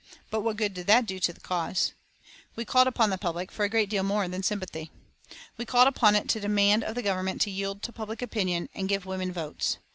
But what good did that do the cause? We called upon the public for a great deal more than sympathy. We called upon it to demand of the Government to yield to public opinion and give women votes.